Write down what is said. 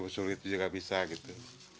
sulit juga bisa gitu